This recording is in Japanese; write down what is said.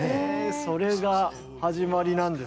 それが始まりなんですね。